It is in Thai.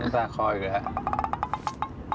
ตาคออีกแล้ว